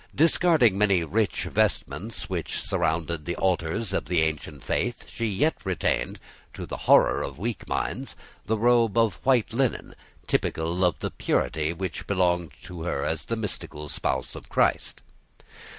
Discarding many rich vestments which surrounded the altars of the ancient faith, she yet retained, to the horror of weak minds, a robe of white linen, typical of the purity which belonged to her as the mystical spouse of Christ.